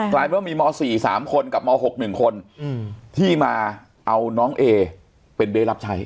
กลายเป็นว่ามีม๔๓คนกับม๖๑คนที่มาเอาน้องเอเป็นเบ๊รับใช้